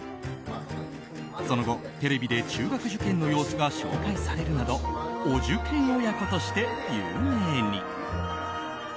その後、テレビで中学受験の様子が紹介されるなどお受験親子として有名に。